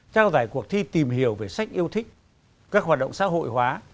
trao giải cuộc thi tìm hiểu về sách yêu thích các hoạt động xã hội hóa